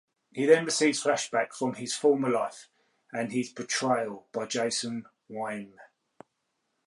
He then receives flashbacks of his former life, and his betrayal by Jason Wynn.